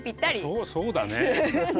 そうそうだね。